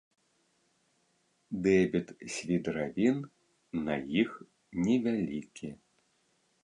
Дэбіт свідравін на іх невялікі.